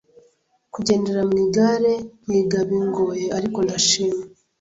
kugendera mu igare nkiga bingoye ariko ndashima